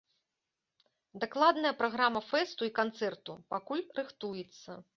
Дакладная праграма фэсту і канцэрту пакуль рыхтуецца.